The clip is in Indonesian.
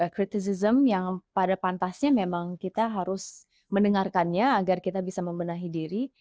kritism yang pada pantasnya memang kita harus mendengarkannya agar kita bisa membenahi diri